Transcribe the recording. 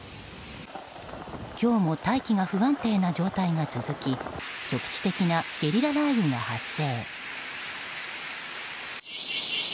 今日も大気が不安定な状態が続き局地的なゲリラ雷雨が発生。